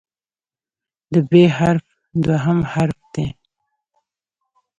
د "ب" حرف دوهم حرف دی.